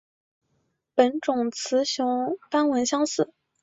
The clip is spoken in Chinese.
本种雌雄斑纹相似。